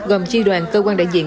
gồm tri đoàn cơ quan đại diện